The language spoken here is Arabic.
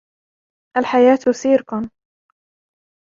الحياة سيركٌ.